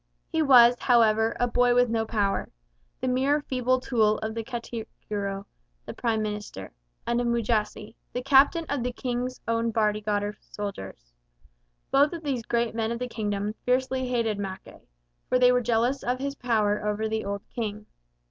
He was, however, a boy with no power the mere feeble tool of the Katikiro (the Prime Minister) and of Mujasi, the Captain of the King's own bodyguard of soldiers. Both of these great men of the kingdom fiercely hated Mackay, for they were jealous of his power over the old King.